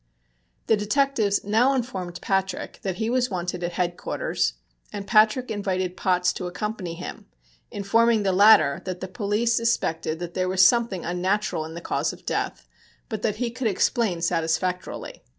] The detectives now informed Patrick that he was wanted at Headquarters, and Patrick invited Potts to accompany him, informing the latter that the police suspected that there was something unnatural in the cause of death, but that he could explain satisfactorily.